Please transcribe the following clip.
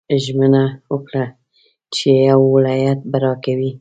ژمنه وکړه چې یو ولایت به راکوې.